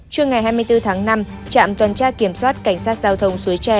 trưa ngày hai mươi bốn tháng năm trạm tuần tra kiểm soát cảnh sát giao thông suối tre